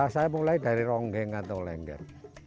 saya mulai dari ronggeng atau lengger